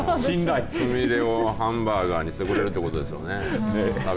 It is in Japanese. つみれをハンバーガーにしてくれるってことですよね。